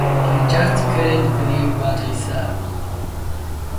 I just couldn't believe what I saw.